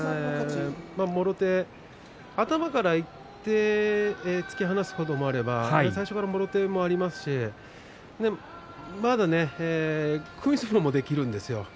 もろ手あたって頭からいって突き放すこともあるし最初からもろ手もありますしまだ組むこともできるんですね。